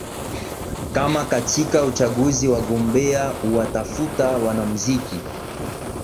kama katika uchaguzi wagombea huwatafuta wanamuziki